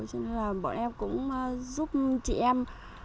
cho nên là bọn em cũng giúp chị em